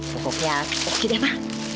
pokoknya pokoknya deh ma